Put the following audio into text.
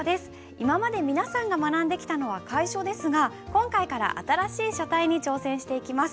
今まで皆さんが学んできたのは楷書ですが今回から新しい書体に挑戦していきます。